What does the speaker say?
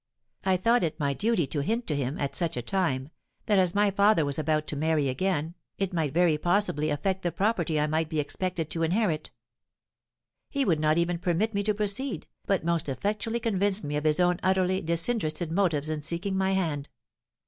I thought it my duty to hint to him, at such a time, that, as my father was about to marry again, it might very possibly affect the property I might be expected to inherit. He would not even permit me to proceed, but most effectually convinced me of his own utterly disinterested motives in seeking my hand.